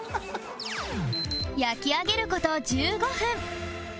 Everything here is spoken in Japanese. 焼き上げる事１５分